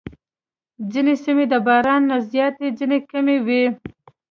ځینې سیمې د باران نه زیاتې، ځینې کمې وي.